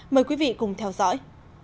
mời quý vị cùng theo dõi